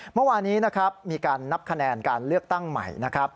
เมื่อวานี้นะครับมีการนับคะแนนการเลือกตั้งใหม่นะครับ